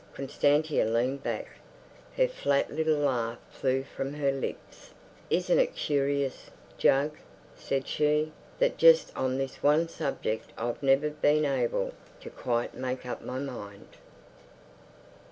Constantia leaned back. Her flat little laugh flew from her lips. "Isn't it curious, Jug," said she, "that just on this one subject I've never been able to quite make up my mind?"